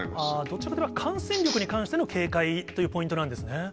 どちらかといえば感染力に関しての警戒というのがポイントなんですね。